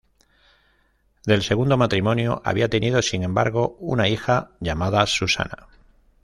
Del segundo matrimonio había tenido sin embargo una hija llamada Susana.